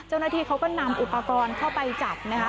เจ้าหน้าที่เขาก็นำอุปกรณ์เข้าไปจับนะคะ